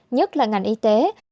nhất là ngành y tế